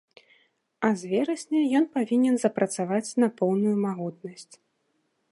А з верасня ён павінен запрацаваць на поўную магутнасць.